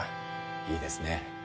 いいですね。